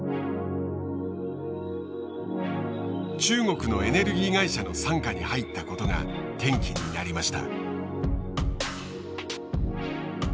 中国のエネルギー会社の傘下に入ったことが転機になりました。